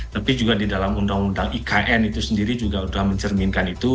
tapi juga di dalam undang undang ikn itu sendiri juga sudah mencerminkan itu